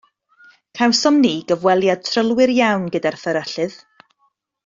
Cawsom ni gyfweliad trylwyr iawn gyda'r fferyllydd.